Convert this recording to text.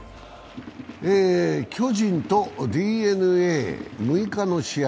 巨人とＤｅＮＡ、６日の試合。